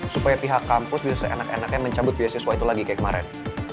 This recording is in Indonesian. supaya pihak kampus bisa seenak enaknya mencabut beasiswa itu lagi kayak kemarin